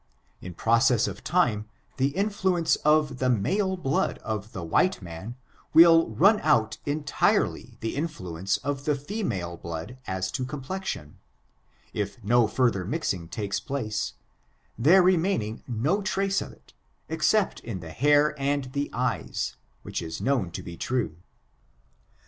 In process of time, the influence of the male blood of the white man will run out entirely the inflnence of the female blood as to complexion, if no further mixing takes place, there remaining no trace of it, except in the hair and the eyes, which is known to be true.